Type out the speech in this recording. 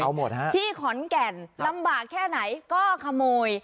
เอาหมดฮะที่ขอนแก่นลำบากแค่ไหนก็ขโมย